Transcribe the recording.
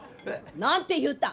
何て言うた？